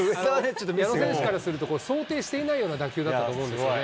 矢野選手からすると想定していないような打球だったと思うんですよね。